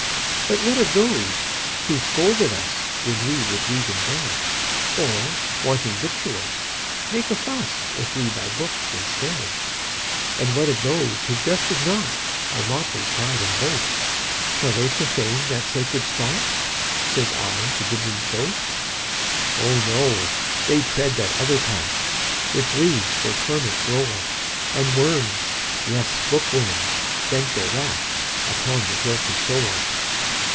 "But what of those who scold at usWhen we would read in bed? Or, wanting victuals, make a fussIf we buy books instead? And what of those who 've dusted notOur motley pride and boast,—Shall they profane that sacred spot?"Says I to Dibdin's ghost."Oh, no! they tread that other path, Which leads where torments roll, And worms, yes, bookworms, vent their wrathUpon the guilty soul.